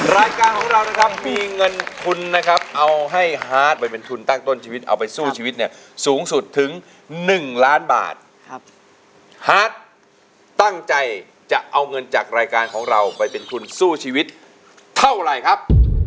รายการของเรานะครับมีเงินทุนนะครับเอาให้ฮาร์ดไปเป็นทุนตั้งต้นชีวิตเอาไปสู้ชีวิตเนี่ยสูงสุดถึงหนึ่งล้านบาทครับฮาร์ดตั้งใจจะเอาเงินจากรายการของเราไปเป็นทุนสู้ชีวิตเท่าไหร่ครับ